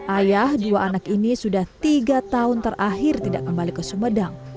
ayah dua anak ini sudah tiga tahun terakhir tidak kembali ke sumedang